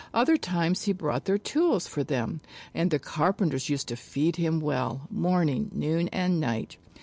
Other times he brought their tools for them. And the carpenters used to feed him well morning, noon and night.